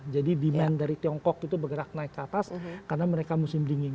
jadi demand dari tiongkok itu bergerak naik ke atas karena mereka musim dingin